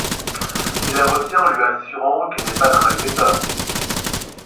Il la retient en lui assurant qu’il n’est pas un malfaiteur.